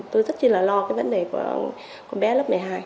tôi thật sự là lo cái vấn đề của con bé lớp một mươi hai